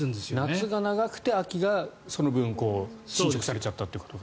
夏が長くて秋がその分収縮されちゃったということか。